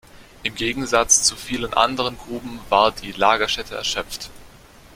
Im Gegensatz zu vielen anderen Gruben war die Lagerstätte erschöpft.